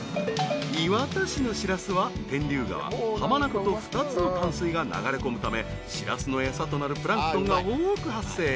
［磐田市のシラスは天竜川浜名湖と２つの淡水が流れ込むためシラスの餌となるプランクトンが多く発生］